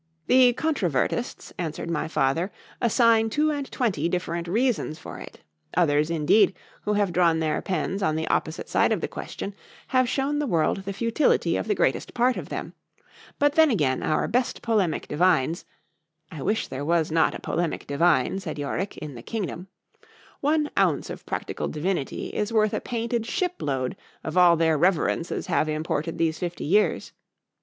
The controvertists, answered my father, assign two and twenty different reasons for it:—others, indeed, who have drawn their pens on the opposite side of the question, have shewn the world the futility of the greatest part of them.—But then again, our best polemic divines—I wish there was not a polemic divine, said Yorick, in the kingdom;—one ounce of practical divinity—is worth a painted ship load of all their reverences have imported these fifty years.